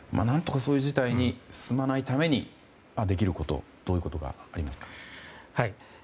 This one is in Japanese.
何とかそういう事態に進まないためにできることどういうことがありますか。